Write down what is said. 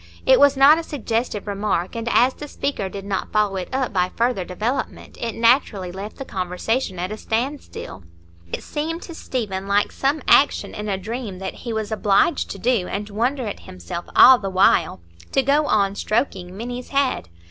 It was not a suggestive remark, and as the speaker did not follow it up by further development, it naturally left the conversation at a standstill. It seemed to Stephen like some action in a dream that he was obliged to do, and wonder at himself all the while,—to go on stroking Minny's head.